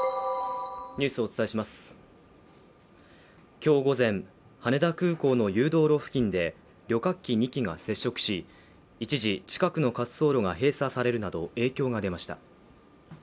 今日午前、羽田空港の誘導路付近で旅客機２機が接触し一時、近くの滑走路が閉鎖されるなど影響が出ました。